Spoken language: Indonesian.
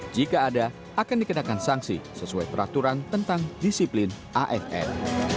jika ada akan dikenakan sanksi sesuai peraturan tentang disiplin aff